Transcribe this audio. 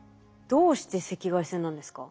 どうして赤外線なんですか？